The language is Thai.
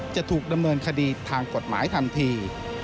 จะถูกดำเนินคดีทางกฎหมายทันที